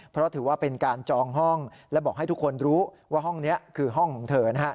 เพราะถือว่าเป็นการจองห้องและบอกให้ทุกคนรู้ว่าห้องนี้คือห้องของเธอนะครับ